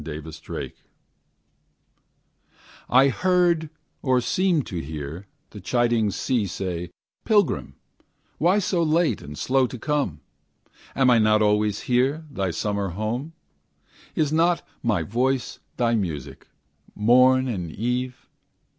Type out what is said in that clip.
SEASHORE I heard or seemed to hear the chiding Sea Say, Pilgrim, why so late and slow to come? Am I not always here, thy summer home? Is not my voice thy music, morn and eve?